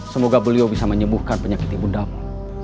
semoga beliau bisa menyembuhkan penyakit ibundamu